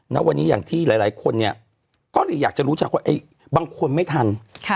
ณวันนี้อย่างที่หลายคนเนี่ยก็เลยอยากจะรู้จักว่าบางคนไม่ทัน